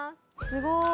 すごい。